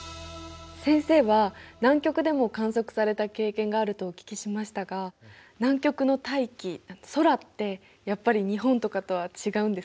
先生は南極でも観測された経験があるとお聞きしましたが南極の大気空ってやっぱり日本とかとは違うんですか？